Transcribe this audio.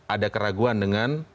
ada keraguan dengan